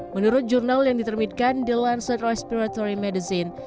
menurut jurnal yang ditermitkan the lancet respiratory medicine